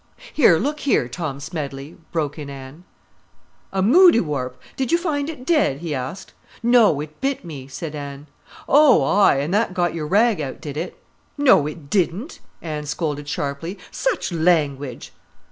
"Here, look here, Tom Smedley," broke in Anne. "A moudiwarp! Did you find it dead?" he asked. "No, it bit me," said Anne. "Oh, aye! An' that got your rag out, did it?" "No, it didn't!" Anne scolded sharply. "Such language!"